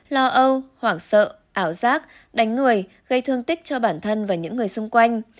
lo âu hoảng sợ ảo giác đánh người gây thương tích cho bản thân và những người xung quanh